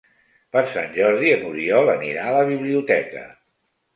Per Sant Jordi n'Oriol anirà a la biblioteca.